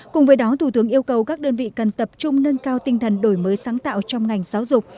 cùng với đó thủ tướng yêu cầu các đơn vị cần tập trung nâng cao tinh thần đổi mới sáng tạo trong ngành giáo dục